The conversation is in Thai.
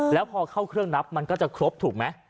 แล้วพอเข้าเครื่องนับมันก็จะครบถูกไหม